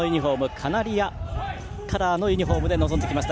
カナリアカラーのユニフォームで臨んできました。